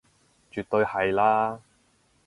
絕對係啦